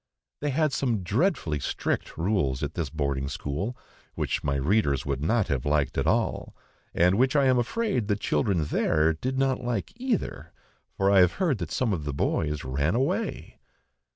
They had some dreadfully strict rules at this boarding school, which my readers would not have liked at all, and which I am afraid the children there did not like either, for I have heard that some of the boys ran away.